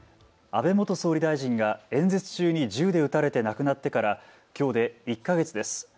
安倍元総理大臣が演説中に銃で撃たれて亡くなってからきょうで１か月です。